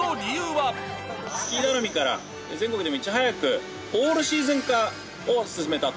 スキー頼みから、全国でもいち早くオールシーズン化を進めた。